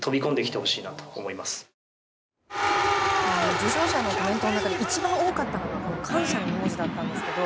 受賞者の回答の中で一番多かったのが感謝の文字だったんですけど。